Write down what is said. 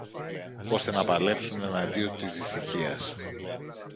ώστε να παλέψουν εναντίον της δυστυχίας